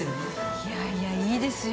いやいやいいですよ。